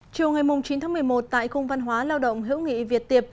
chiều ngày chín tháng một mươi một tại cung văn hóa lao động hữu nghị việt tiệp